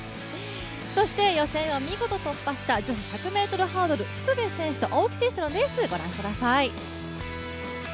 そして予選を見事突破した女子１００ｍハードル福部選手と青木選手のレース、御覧ください。